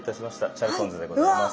チャルソンズでございます。